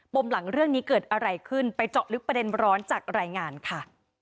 มหลังเรื่องนี้เกิดอะไรขึ้นไปเจาะลึกประเด็นร้อนจากรายงานค่ะ